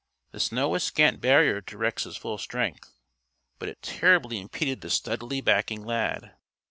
The snow was scant barrier to Rex's full strength, but it terribly impeded the steadily backing Lad.